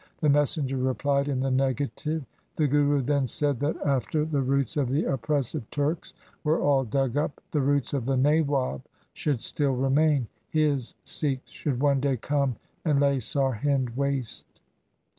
The messenger replied in the negative. The Guru then said that after the roots of the oppressive Turks were all dug up, the roots of the Nawab should still remain. His Sikhs should one day come and lay Sarhind waste.